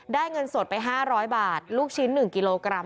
เงินสดไป๕๐๐บาทลูกชิ้น๑กิโลกรัม